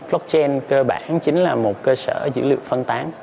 blockchain cơ bản chính là một cơ sở dữ liệu phân tán